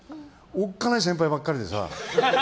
おっかない先輩ばっかりでさ。